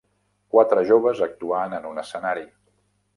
Quatre joves actuant en un escenari.